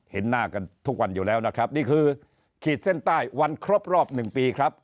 เห็นหน้ากันทุกวันอยู่แล้วนะครับนี่คือขีดเส้นใต้วันครบรอบหนึ่งปีครับ